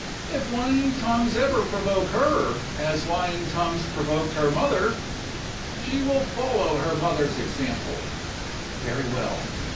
If lying tongues ever provoke her as lying tongues provoked her mother, she will follow her mother's example. Very well.